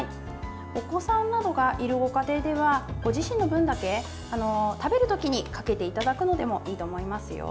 お子さんなどがいるご家庭ではご自身の分だけ、食べるときにかけていただくのでもいいと思いますよ。